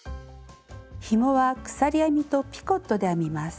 ひもは鎖編みとピコットで編みます。